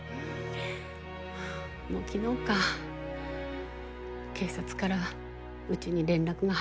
もう昨日か警察からうちに連絡が入ったの。